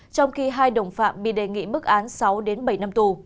trong khi hai đồng phạm bị đề nghị mức án sáu đến bảy năm tù